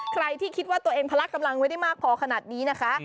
ใครที่คิดว่าตัวเองพละกำลังไว้ได้มากพอขนาดนี้นะคะ